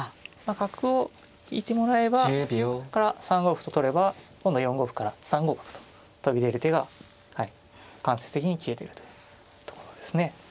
角を引いてもらえばここから３五歩と取れば今度は４五歩から３五角と飛び出る手が間接的に消えているというところですね。